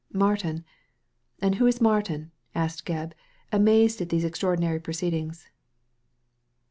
^Martin! And who is Martin?" asked Gebb, amazed at these extraordinary proceedings.